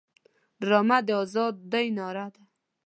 ډرامه د ازادۍ ناره ده